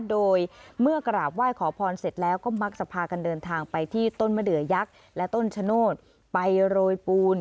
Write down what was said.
โดยเมื่อกราบไหว้ขอพรเสร็จแล้วก็มักจะพากันเดินทางไปที่ต้นมะเดือยักษ์และต้นชะโนธไปโรยปูน